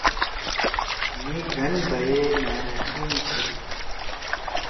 مھی گھن بھئی ئے مھأ ٹین تھلُو۔